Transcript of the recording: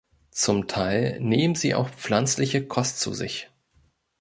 Zum Teil nehmen sie auch pflanzliche Kost zu sich.